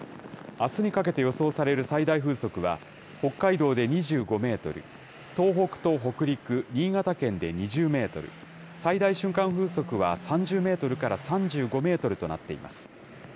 あすにかけて予想される最大風速は、北海道で２５メートル、東北と北陸、新潟県で２０メートル、最大瞬間風速は３０メートルから３５メートルとなっています。